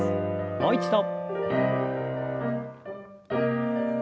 もう一度。